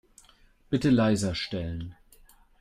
Bitte leiser stellen.